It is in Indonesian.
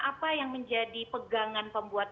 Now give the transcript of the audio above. apa yang menjadi pegangan pembuat